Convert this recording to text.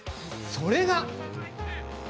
それが。